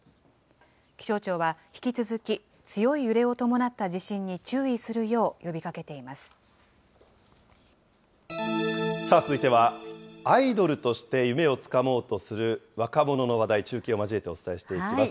気象庁は引き続き、強い揺れを伴った地震に注意するよう呼びかけ続いては、アイドルとして夢をつかもうとする若者の話題、中継を交えてお伝えしていきます。